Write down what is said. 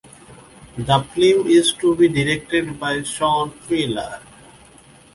The film is to be directed by Shawn Piller.